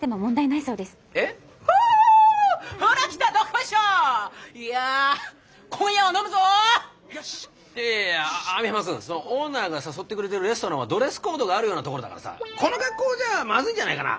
いやいや網浜くんオーナーが誘ってくれてるレストランはドレスコードがあるようなところだからさこの格好じゃまずいんじゃないかな。